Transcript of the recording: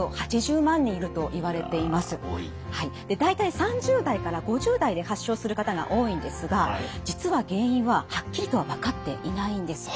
で大体３０代から５０代で発症する方が多いんですが実は原因ははっきりとは分かっていないんです。